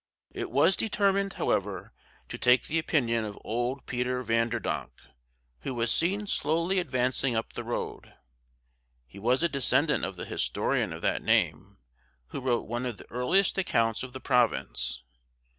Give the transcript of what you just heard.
It was determined, however, to take the opinion of old Peter Vanderdonk, who was seen slowly advancing up the road. He was a descendant of the historian of that name, who wrote one of the earliest accounts of the province.